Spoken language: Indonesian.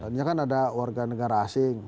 tadinya kan ada warga negara asli